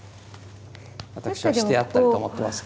私はしてやったりと思ってますが。